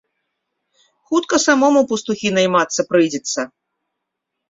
Хутка самому ў пастухі наймацца прыйдзецца.